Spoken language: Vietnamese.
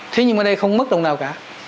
thế nhưng mà đây không mất đồng nào cả